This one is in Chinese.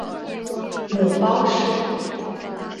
母包氏。